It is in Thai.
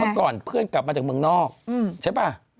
ก่อนเพื่อนกลับมาจากเมืองนอกใช่ป่ะ